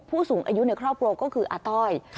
ผู้สูงอายุในครอบครัวก็คืออาต้อย